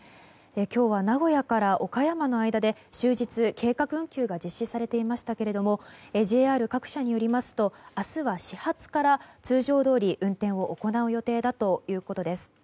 今日は名古屋から岡山の間で終日、計画運休が実施されていましたけれどもＪＲ各社によりますと明日は始発から通常どおり運転を行う予定だということです。